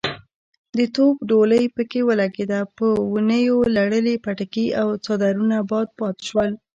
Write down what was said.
د توپ ډولۍ پکې ولګېده، په ونيو لړلي پټکي او څادرونه باد باد شول.